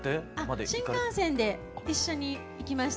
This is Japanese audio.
あっ新幹線で一緒に行きました。